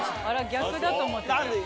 逆だと思ってた。